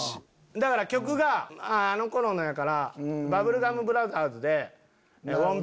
だから曲があの頃のやからバブルガム・ブラザーズで。